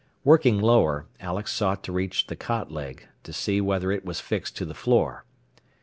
Working lower, Alex sought to reach the cot leg, to see whether it was fixed to the floor.